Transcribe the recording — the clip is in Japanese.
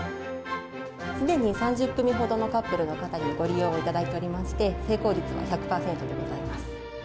すでに３０組ほどのカップルの方にご利用いただいておりまして、成功率は１００％でございます。